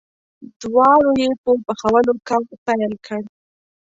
دواړو یې په پخولو کار پیل کړ.